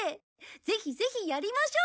ぜひぜひやりましょう！